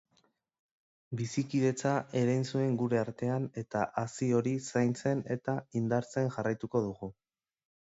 Bizikidetza erein zuen gure artean eta hazi hori zaintzen eta indartzen jarraituko dugu.